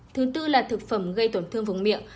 thứ tư là thực phẩm gây tổn thương vùng miệng